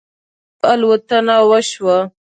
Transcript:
په یوولسو بجو الوتنه وشوه.